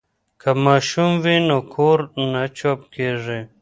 که ماشوم وي نو کور نه چوپ کیږي.